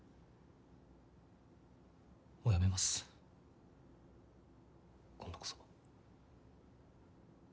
もうやめます今度こそ。